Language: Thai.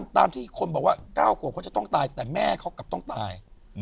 ตามที่คนบอกว่า๙ขวบเขาจะต้องตายแต่แม่เขากลับต้องตาย